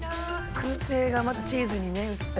燻製がまたチーズにね移って。